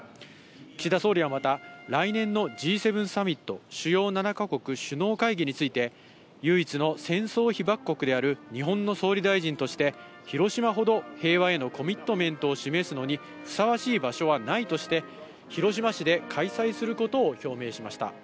岸田総理はまた、来年のＧ７サミット・主要７か国首脳会議について、唯一の戦争被爆国である日本の総理大臣として、広島ほど平和へのコミットメントを示すのにふさわしい場所はないとして、広島市で開催することを表明しました。